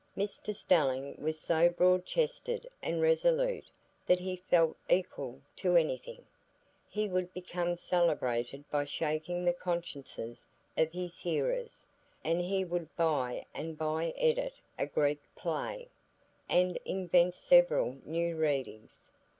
Mr Stelling was so broad chested and resolute that he felt equal to anything; he would become celebrated by shaking the consciences of his hearers, and he would by and by edit a Greek play, and invent several new readings.